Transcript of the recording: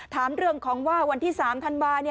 ถามเรื่องของว่าวันที่๓ธันวา